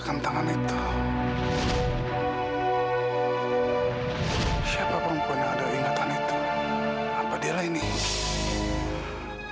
karena saya yakin banget kalau dia adalah